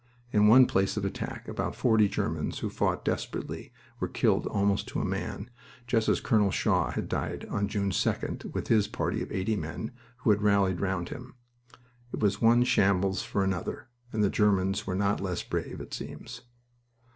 In one place of attack about forty Germans, who fought desperately, were killed almost to a man, just as Colonel Shaw had died on June 2d with his party of eighty men who had rallied round him. It was one shambles for another, and the Germans were not less brave, it seems.